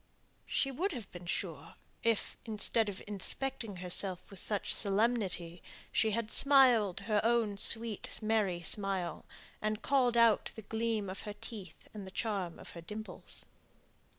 She would have been sure, if, instead of inspecting herself with such solemnity, she had smiled her own sweet merry smile, and called out the gleam of her teeth, and the charm of her dimples.